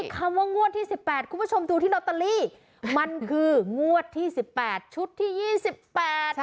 คำว่างวดที่สิบแปดคุณผู้ชมดูที่ลอตเตอรี่มันคืองวดที่สิบแปดชุดที่ยี่สิบแปด